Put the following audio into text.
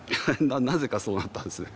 なぜかそうなったんです。